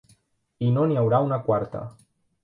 I no n'hi haurà una quarta.